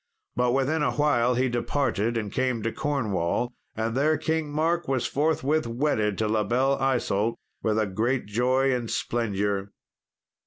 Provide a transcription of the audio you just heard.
But within a while he departed and came to Cornwall, and there King Mark was forthwith wedded to La Belle Isault with great joy and splendour.